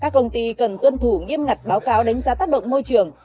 các công ty cần tuân thủ nghiêm ngặt báo cáo đánh giá tác động môi trường